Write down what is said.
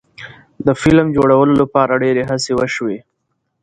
د فلم جوړولو لپاره ډیرې هڅې وشوې.